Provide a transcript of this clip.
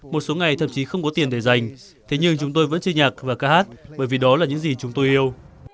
một số ngày thậm chí không có tiền để giành thế nhưng chúng tôi vẫn chơi nhạc và ca hát bởi vì đó là những gì chúng tôi yêu